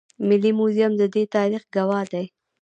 ملي موزیم د دې تاریخ ګواه دی